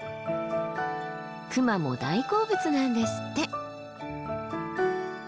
クマも大好物なんですって。